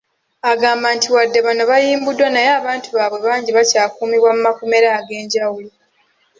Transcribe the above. Agamba nti wadde bano bayimbuddwa naye abantu baabwe bangi bakyakuumibwa mu makomera ag’enjawulo.